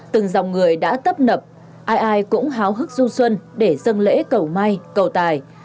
từng dòng người đã tấp nập ai ai cũng háo hức du xuân để dân lễ cầu may cầu tài